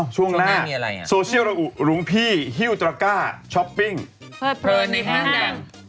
ช่วงหน้ามีอะไรอ่ะโซเชียลรุงพี่ฮิวตระก้าช้อปปิ้งเปิดเพลินในแห้งแห้ง